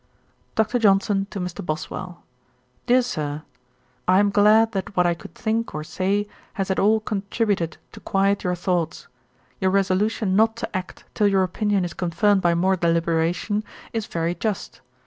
'DR. JOHNSON TO MR. BOSWELL. 'DEAR SIR, 'I am glad that what I could think or say has at all contributed to quiet your thoughts. Your resolution not to act, till your opinion is confirmed by more deliberation, is very just.